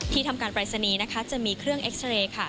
ที่ทำการไปซะนี้นะคะจะมีเครื่องเอ็กซ์เรย์ค่ะ